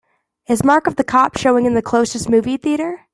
Is Mark of the Cop showing in the closest movie theatre